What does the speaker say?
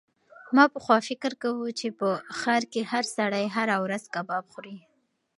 ما پخوا فکر کاوه چې په ښار کې هر سړی هره ورځ کباب خوري.